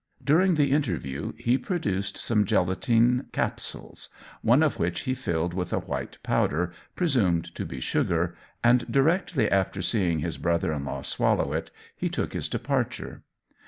During the interview he produced some gelatine capsules, one of which he filled with a white powder, presumed to be sugar, and directly after seeing his brother in law swallow it, he took his departure.